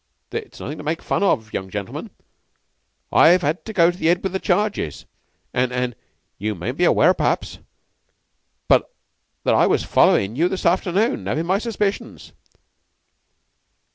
"It's nothin' to make fun of, young gentlemen. I 'ave to go to the 'Ead with the charges. An' an' you mayn't be aware, per'aps, that I was followin' you this afternoon; havin' my suspicions."